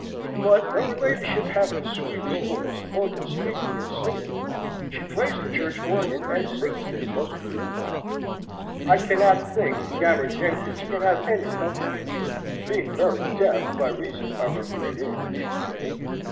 But though her Ladyship hath the sweetest voice, both in speaking and singeing (she plays the church organ, and singes there most beautifully), I cannot think Gammer Jenkins can have any comfort from it, being very deaf, by reason of her great age.